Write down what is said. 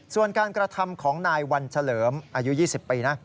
ส่วนการกระทำของนายวันเฉลิมอายุ๒๐ปีนะ